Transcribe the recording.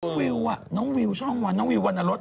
วิวน้องวิวช่องวันน้องวิววรรณรส